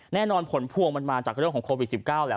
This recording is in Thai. แน่นอนผลพวงมันมาจากเรื่องของโควิด๑๙แหละ